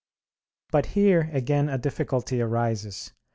But here again a difficulty arises.